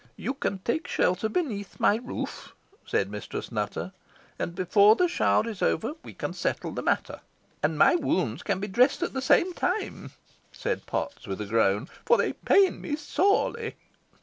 "You can take shelter beneath my roof," said Mistress Nutter; "and before the shower is over we can settle the matter." "And my wounds can be dressed at the same time," said Potts, with a groan, "for they pain me sorely."